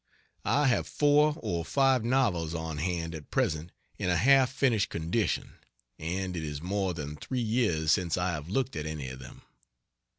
I have four or five novels on hand at present in a half finished condition, and it is more than three years since I have looked at any of them.